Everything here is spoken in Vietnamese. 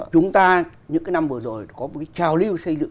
chúng ta những cái năm vừa rồi có một cái trào lưu xây dựng